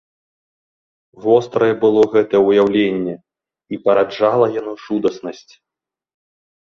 Вострае было гэтае ўяўленне, і параджала яно жудаснасць.